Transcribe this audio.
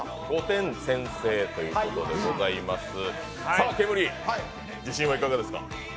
さあ、ケムリ、自信はいかがですか。